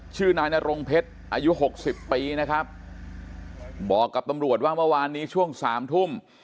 ชื่อนายนรงเพชรอายุหกสิบปีนะครับบอกกับตำรวจว่าเมื่อวานนี้ช่วงสามทุ่ม